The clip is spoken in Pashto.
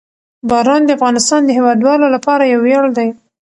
باران د افغانستان د هیوادوالو لپاره یو ویاړ دی.